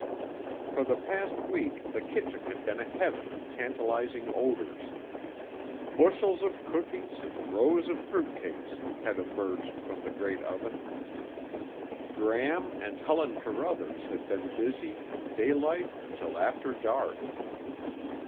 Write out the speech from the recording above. For the past week the kitchen had been a heaven of tantalizing odors. Bushels of cookies and rows of fruit cakes had emerged from the great oven. Gram and Helen Carruthers had been busy from daylight until after dark.